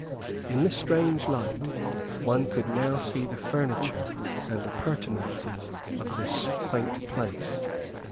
In the strange light one could now see the furniture and appurtenances of this quaint place.